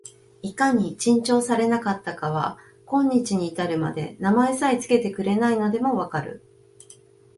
いかに珍重されなかったかは、今日に至るまで名前さえつけてくれないのでも分かる